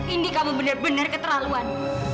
ini kamu benar benar keterlaluan